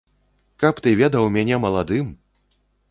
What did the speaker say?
Каб ты ведаў мяне маладым!